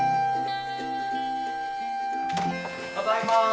ただいま。